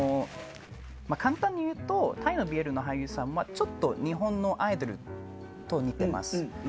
簡単に言うとタイのＢＬの俳優さんは日本のアイドルと似てます。